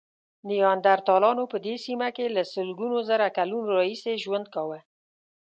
نیاندرتالانو په دې سیمه کې له سلګونو زره کلونو راهیسې ژوند کاوه.